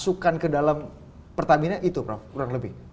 masukkan ke dalam pertamina itu prof kurang lebih